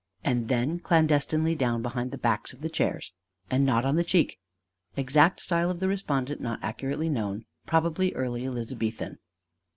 And then clandestinely down behind the backs of the chairs! And not on the cheek! Exact style of the respondent not accurately known probably early Elizabethan.